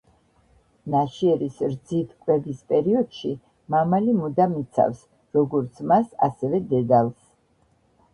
ნაშიერის რძით კვების პერიოდში, მამალი მუდამ იცავს, როგორც მას, ასევე დედალს.